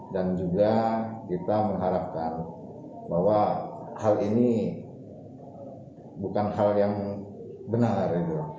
dan juga kita mengharapkan bahwa hal ini bukan hal yang benar